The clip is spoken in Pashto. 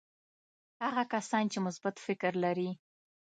هغه کسان چې مثبت فکر لري.